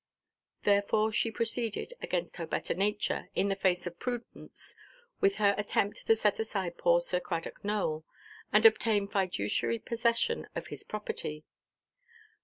Therefore she proceeded, against her better nature, in the face of prudence, with her attempt to set aside poor Sir Cradock Nowell, and obtain fiduciary possession of his property.